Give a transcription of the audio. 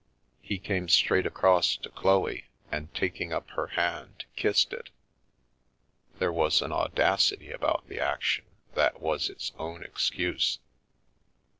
He came straight across to Chloe and taking up her hand, kissed it — there was an audacity about the action that was its own excuse.